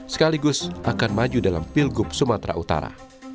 sekaligus akan maju dalam pilgub sumatera utara